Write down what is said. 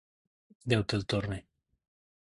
Déu te'l torni.